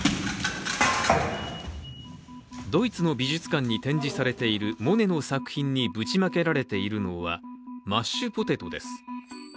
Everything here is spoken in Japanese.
ドイツの美術館に展示されているモネの作品にぶちまけられているのはマッシュポテトです。